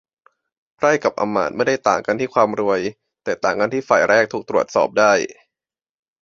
ไพร่กับอำมาตย์ไม่ได้ต่างกันที่ความรวย แต่ต่างกันที่ฝ่ายแรกถูกตรวจสอบได้